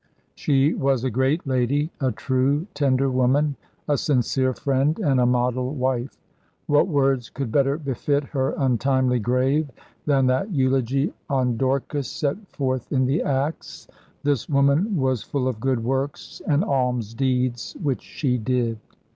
She was a great lady, a true, tender woman, a sincere friend, and a model wife. What words could better befit her untimely grave than that eulogy on Dorcas set forth in the Acts: 'This woman was full of good works and almsdeeds which she did'?"